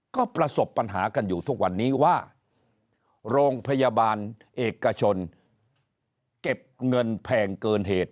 ก็ประสบปัญหากันอยู่ทุกวันนี้ว่าโรงพยาบาลเอกชนเก็บเงินแพงเกินเหตุ